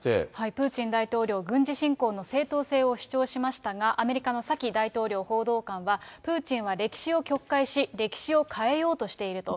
プーチン大統領、軍事侵攻の正当性を主張しましたが、アメリカのサキ大統領報道官は、プーチンは歴史を曲解し、歴史を変えようとしていると。